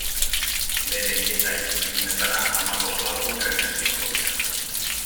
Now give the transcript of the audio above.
Bere hileta-elizkizunetara hamabost lagun trenez joango dira.